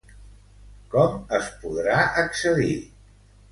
Com es podrà accedir?